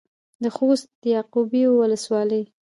د خوست د يعقوبيو ولسوالۍ.